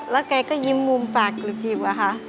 แล้วแกก็ยิ้มมุมปากกริบอะค่ะ